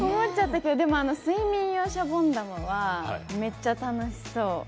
でも睡眠用しゃぼん玉はめっちゃ楽しそう。